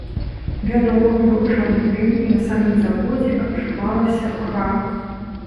Вядома, быў чорны дым, і на самім заводзе адчувалася гар.